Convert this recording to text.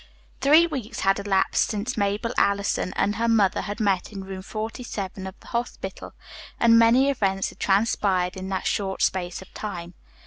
Three weeks had elapsed since Mabel Allison and her mother had met in Room 47 of the hospital, and many events had transpired in that short space of time.